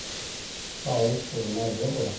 ښایست د هنر ژبه ده